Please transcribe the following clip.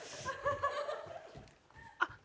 あっ。